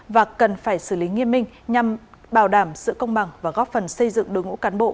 và cần phải xử lý nghiêm minh nhằm bảo đảm sự công bằng và góp phần xây dựng đối ngũ cán bộ